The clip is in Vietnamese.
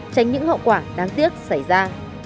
tránh những hậu quả đáng tiếc xảy ra